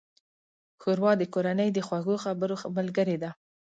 ښوروا د کورنۍ د خوږو خبرو ملګرې ده.